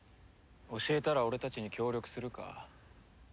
教えたら俺たちに協力するか？